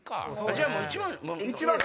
じゃあもう１番。